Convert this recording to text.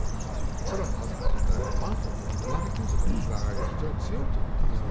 それはなぜかというとマンションというのは隣近所とのつながりが強いということですね。